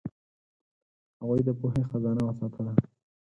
هغوی د پوهې خزانه وساتله.